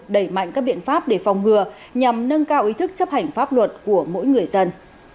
đẩy mạnh các biện pháp để phòng ngừa nhằm nâng cao ý thức chấp hành pháp luật của mỗi người dân